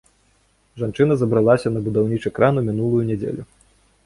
Жанчына забралася на будаўнічы кран у мінулую нядзелю.